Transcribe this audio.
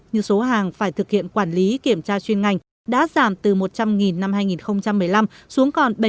như số hàng phải thực hiện quản lý kiểm tra chuyên ngành đã giảm từ một trăm linh năm hai nghìn một mươi năm xuống còn bảy mươi